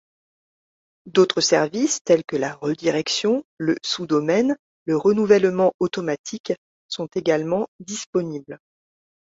D'autres services tels que la redirection, le sous-domaine, le renouvellement automatique sont également disponibles.